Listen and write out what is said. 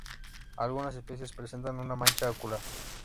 Algunas especies presentan una mancha ocular.